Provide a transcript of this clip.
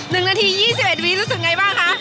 ๑นาที๒๑วิรู้สึกไงบ้างคะ